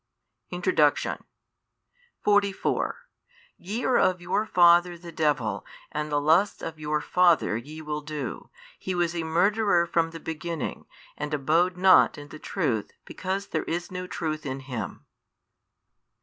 [Introduction] 44 Ye are of your father the devil and the lusts of your father ye will do: he was a murderer from the beginning, and abode not in the truth because there is no truth in him.